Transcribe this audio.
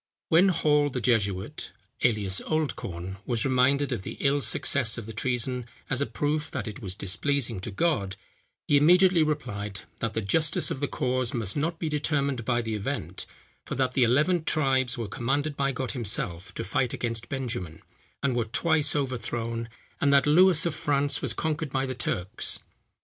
When Hall the jesuit, alias Oldcorne, was reminded of the ill success of the treason as a proof that it was displeasing to God, he immediately replied, that the justice of the cause must not be determined by the event, for that the eleven tribes were commanded by God himself to fight against Benjamin, and were twice overthrown; and that Lewis of France was conquered by the Turks.